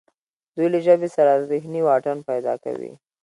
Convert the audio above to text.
دوی له ژبې سره ذهني واټن پیدا کوي